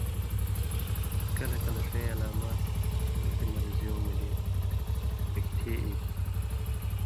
کلہۡ کلہۡ ݜَیں علامات مُتیۡ مرضیُوں ملی اکٹھی ایں تھی۔